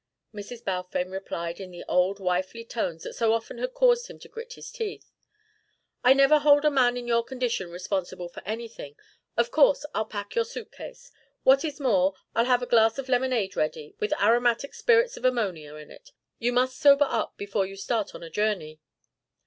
Mrs. Balfame replied in the old wifely tones that so often had caused him to grit his teeth: "I never hold a man in your condition responsible for anything. Of course I'll pack your suitcase. What is more, I'll have a glass of lemonade ready, with aromatic spirits of ammonia in it. You must sober up before you start on a journey."